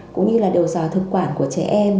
cũng như là điều dò thực quản của trẻ em